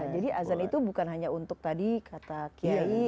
jadi azan itu bukan hanya untuk tadi kata kiai